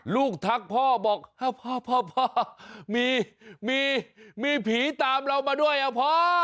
ทักพ่อบอกพ่อพ่อมีผีตามเรามาด้วยอ่ะพ่อ